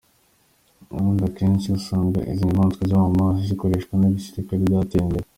Ubundi akenshi usanga izi nyamaswa ziba mu mazi zikoreshwa n’ibisirikare byateye imbere.